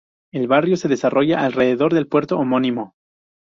El barrio se desarrolla alrededor del puerto homónimo.